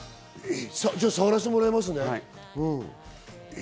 じゃあ触らせてもらいますね。